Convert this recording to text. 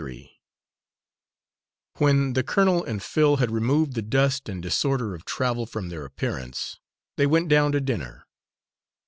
Three When the colonel and Phil had removed the dust and disorder of travel from their appearance, they went down to dinner.